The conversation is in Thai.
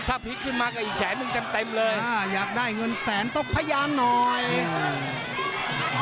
ถ้าพลิกขึ้นมาก็อีกแสนนึงเต็มเลยอยากได้เงินแสนต้องพยานหน่อย